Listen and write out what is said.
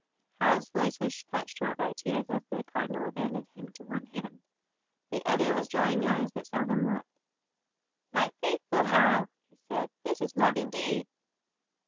Hal's voice was cut short by tears as the Cardinal abandoned to him one hand. The other was drying eyes that seldom wept. "My faithful Hal!" he said, "this is love indeed!"